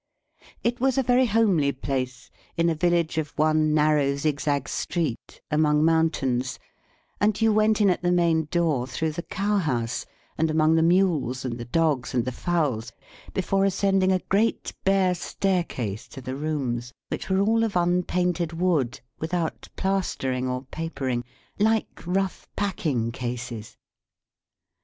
It was a very homely place, in a village of one narrow zigzag street, among mountains, and you went in at the main door through the cow house, and among the mules and the dogs and the fowls, before ascending a great bare staircase to the rooms; which were all of unpainted wood, without plastering or papering, like rough packing cases.